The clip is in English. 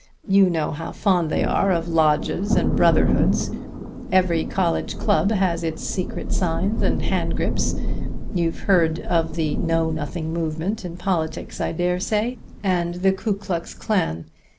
You know how fond they are of lodges and brotherhoods. Every college club has its secret signs and handgrips. You've heard of the Know Nothing movement in politics, I dare say, and the Ku Klux Klan.